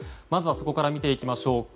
まずはそこから見ていきましょう。